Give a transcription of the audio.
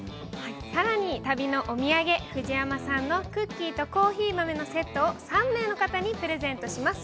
更に旅のお土産、ＦＵＪＩＹＡＭＡさんのクッキーとコーヒー豆のセットを３名の方にプレゼントします。